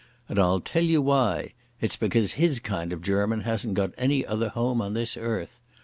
And I'll tell you why. It's because his kind of German hasn't got any other home on this earth.